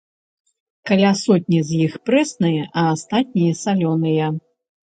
Каля сотні з іх прэсныя, а астатнія салёныя.